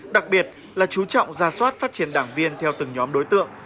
đặc biệt là chú trọng ra soát phát triển đảng viên theo từng nhóm đối tượng